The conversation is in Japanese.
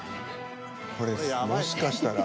［これもしかしたら］